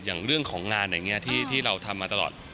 อย่างเรื่องของงานอย่างนี้ที่เราทำมาตลอด